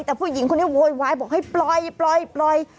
แต่ผู้หญิงคนนี้โวยวายบอกให้ปล่อยปล่อย